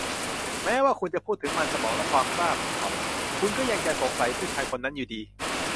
แม้ว่าคุณจะพูดถึงมันสมองและความกล้าของเขา คุณก็จะยังสงสัยผู้ชายคนนั้นอยู่ดี